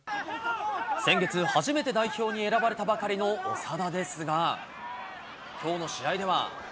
先月、初めて代表に選ばれたばかりの長田ですが、きょうの試合では。